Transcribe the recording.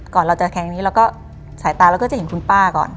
ก่อนเราจะแคงอย่างนี้สายตาเราก็จะเห็นคุณป้าก่อน